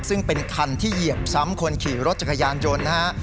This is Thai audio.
ซึ่งเป็นคันที่เหยียบซ้ำคนขี่รถจักรยานยนต์นะฮะ